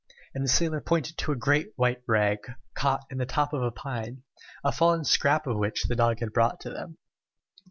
And the sailor pointed to a great white rag, caught in the top of a pine, a fallen scrap of which the dog had brought to them.